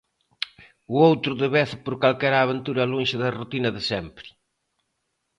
O outro devece por calquera aventura lonxe da rutina de sempre.